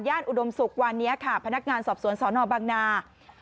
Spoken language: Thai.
อุดมศุกร์วันนี้ค่ะพนักงานสอบสวนสนบังนา